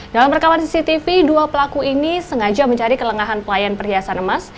dalam rekaman cctv dua pelaku ini sengaja mencari kelengahan pelayan perhiasan emas